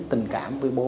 tình cảm với bố